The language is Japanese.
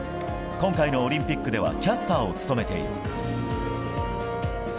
今回のオリンピックではキャスターを務めている。